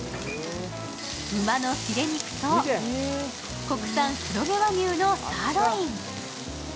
馬のフィレ肉と国産黒毛和牛のサーロイン。